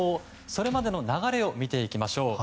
それまでの流れを見ていきましょう。